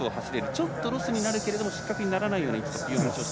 ちょっとロスになるけれども失格にならないようにということでした。